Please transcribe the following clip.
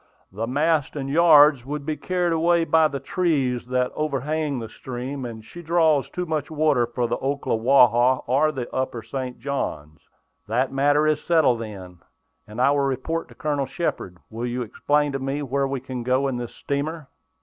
"The masts and yards would be carried away by the trees that overhang the stream, and she draws too much water for the Ocklawaha or the upper St. Johns." "That matter is settled, then, and I will report to Colonel Shepard. Will you explain to me where we can go in this steamer."